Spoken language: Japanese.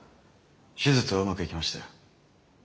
手術はうまくいきましたよ。